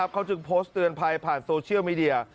เขาจึงโพสต์เตือนภัยผ่านโซเชียลมีเดีย